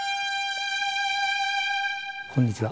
こんにちは。